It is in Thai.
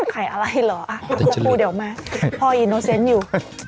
ไข่อะไรเหรออ่ะเดี๋ยวพ่อพูดเดี๋ยวมาพ่ออิโนเซ็นต์อยู่